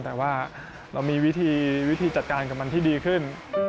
แต่ว่าเรามีวิธีจัดการกับมันที่ดีขึ้น